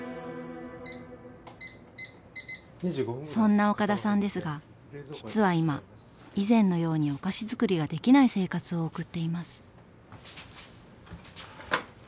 そんな岡田さんですが実は今以前のようにはお菓子づくりができない生活を送っています。